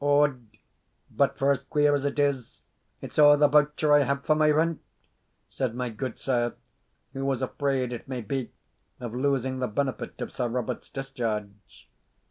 "Od, but for as queer as it is, it's a' the voucher I have for my rent," said my gudesire, who was afraid, it may be, of losing the benefit of Sir Robert's discharge.